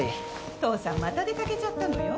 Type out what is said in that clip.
父さんまた出掛けちゃったのよ。